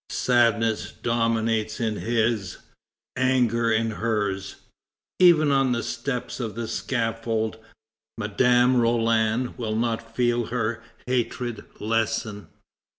Sadness dominates in his; anger in hers. Even on the steps of the scaffold, Madame Roland will not feel her hatred lessen.